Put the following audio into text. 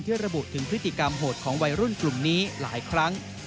ระบุถึงพฤติกรรมโหดของวัยรุ่นกลุ่มนี้หลายครั้ง